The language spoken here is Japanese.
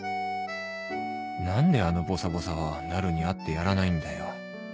何であのボサボサはなるに会ってやらないんだよ